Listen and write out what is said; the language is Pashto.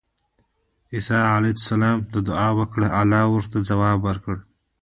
عيسی عليه السلام دعاء وکړه، الله ورته ځواب ورکړ